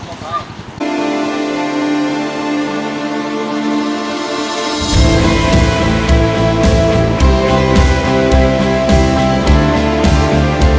โห้ข้างเขาใหญ่ไง